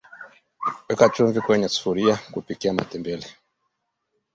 weka na chumvi kwenye sufuria kupikia matembele